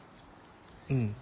うん。